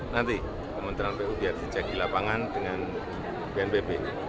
nanti kementerian pu diharusin cek di lapangan dengan bnpb